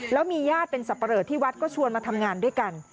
แล้วมีญาติเป็นสับปะเลอที่วัดก็ชวนมาทำงานด้วยกัน